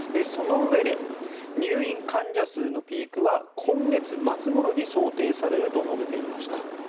そのうえで入院患者数のピークは今月末ごろに想定されると述べていました。